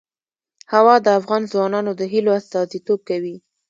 هوا د افغان ځوانانو د هیلو استازیتوب کوي.